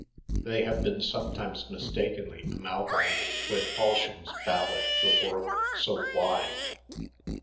Thej have been aometimea miatokenl; amalgamated with Halaham'a BaJade ' The worlde ao wide